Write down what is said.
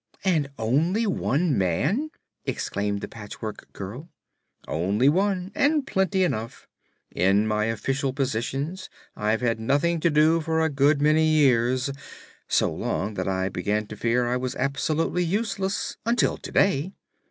"And only one man!" exclaimed the Patchwork Girl. "Only one, and plenty enough. In my official positions I've had nothing to do for a good many years so long that I began to fear I was absolutely useless until to day.